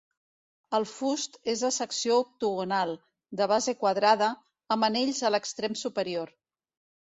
El fust és de secció octogonal, de base quadrada, amb anells a l'extrem superior.